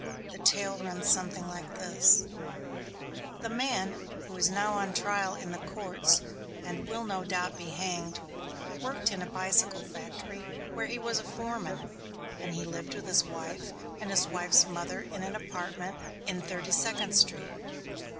The tale runs something like this The man, who is now on trial in the courts and will no doubt be hanged, worked in a bicycle factory where he was a foreman, and lived with his wife and his wife's mother in an apartment in Thirty Second Street.